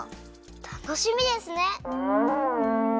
たのしみですね！